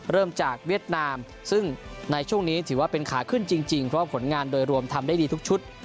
เริ่มจากเวียดนามซึ่งในช่วงนี้ถือว่าเป็นขาขึ้นจริงเพราะว่าผลงานโดยรวมทำได้ดีทุกชุด